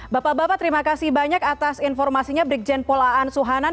bapak bapak terima kasih banyak atas informasinya brigjen polaan suhanan